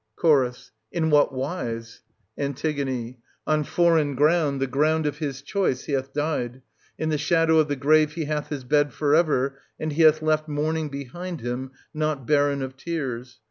Ch. In what wise? An. On foreign ground, the ground of his choice, he hath died; in the shadow of the grave he hath his bed for ever ; and he hath left mourning behind him, not barren of tears.